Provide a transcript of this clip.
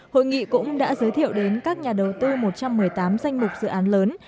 hội nghị cũng đã giới thiệu đến các nhà đầu tư một trăm một mươi tám danh mục dự án lớn